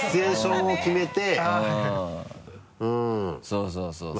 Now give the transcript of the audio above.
そうそう。